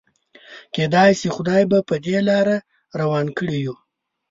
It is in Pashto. کيدای شي خدای به په دې لاره روان کړي يو.